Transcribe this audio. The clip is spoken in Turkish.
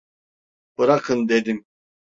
Bırakın dedim!